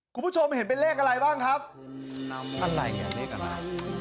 คุณผู้ชมเห็นเป็นเลขอะไรบ้างครับอะไรอ่ะเลขอะไร